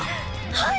はい！